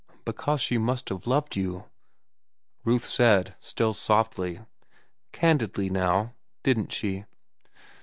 "Because she must have loved you," Ruth said, still softly. "Candidly, now, didn't she?"